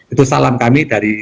itu salam kami dari